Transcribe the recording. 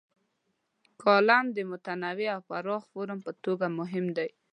کالم د یوه متنوع او پراخ فورم په توګه مهم دی.